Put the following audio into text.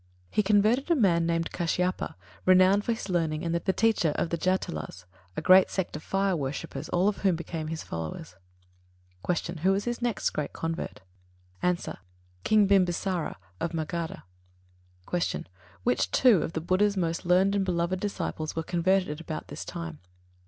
He converted a man named Kāshyapa, renowned for his learning and teacher of the Jatilas, a great sect of fire worshippers, all of whom became also his followers. 81. Q. Who was his next great convert? A. King Bimbisāra, of Magadha. 82. Q. _Which two of the Buddha's most learned and beloved disciples were converted at about this time?